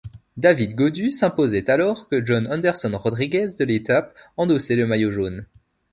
David Gaudu s'imposait alors que Jhon Anderson Rodríguez, de l'étape, endossait le maillot jaune.